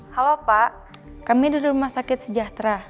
halo pak kami di rumah sakit sejahtera